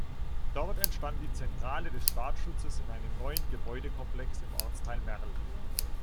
Dort entstand die Zentrale des Staatsschutzes in einem neuen Gebäudekomplex im Ortsteil Merl.